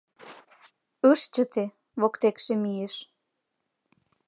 Ыш чыте, воктекше мийыш.